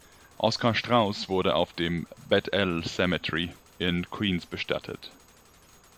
Oscar Straus wurde auf dem "Beth-El Cemetery" in Queens bestattet.